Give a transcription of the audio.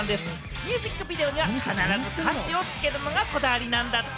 ミュージックビデオには必ず歌詞をつけるのがこだわりなんだって。